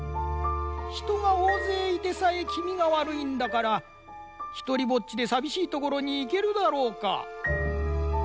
「ひとがおおぜいいてさえきみがわるいんだからひとりぼっちでさびしいところにいけるだろうか？」。